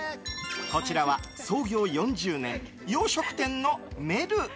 こちらは創業４０年洋食店のメル。